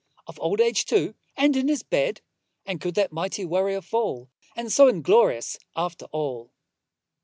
Of old age, too, and in his bed! And could that Mighty Warrior fall? And so inglorious, after all!